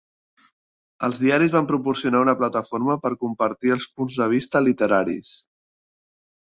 Els diaris van proporcionar una plataforma per compartir els punts de vista literaris.